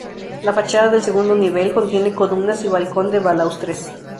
La fachada del segundo nivel contiene columnas y balcón de balaustres.